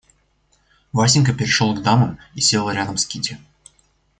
Васенька перешел к дамам и сел рядом с Кити.